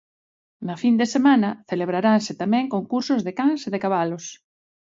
Na fin de semana celebraranse tamén concursos de cans e de cabalos.